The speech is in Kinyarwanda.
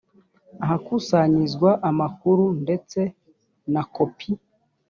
ahakusanyirizwa amakuru ndetse na kopi